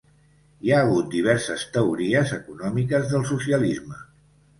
Hi ha hagut diverses teories econòmiques del socialisme.